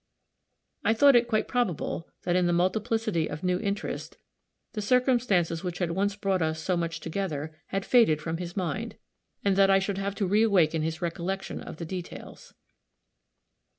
I thought it quite probable, that in the multiplicity of new interests, the circumstances which had once brought us so much together had faded from his mind, and that I should have to reawaken his recollection of the details.